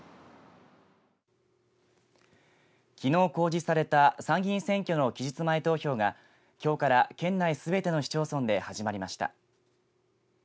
きのう公示された参議院選挙の期日前投票がきょうから県内すべての市町村で始まりました。